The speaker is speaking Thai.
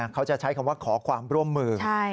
เขาจะใช้คำว่าขอความร่วมมือ